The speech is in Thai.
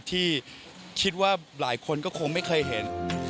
ที่คิดว่าหลายคนก็คงไม่เคยเห็น